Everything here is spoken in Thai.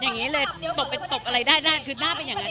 อย่างนี้เลยตบเป็นตบอะไรได้ได้คือหน้าเป็นอย่างนั้น